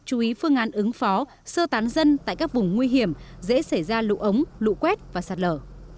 chú ý phương án ứng phó sơ tán dân tại các vùng nguy hiểm dễ xảy ra lũ ống lũ quét và sạt lở